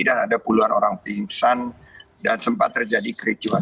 dan ada puluhan orang pingsan dan sempat terjadi kericuan